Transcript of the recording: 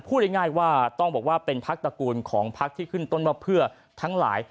พูดง่ายว่าต้องบอกว่าเป็นพักตระกูลของพักที่ขึ้นต้นมาเพื่อทั้งหลาย